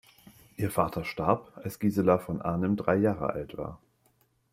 Ihr Vater starb, als Gisela von Arnim drei Jahre alt war.